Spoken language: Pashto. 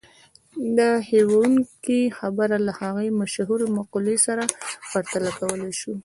دا هيښوونکې خبره له هغې مشهورې مقولې سره پرتله کولای شو.